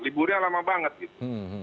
liburnya lama banget gitu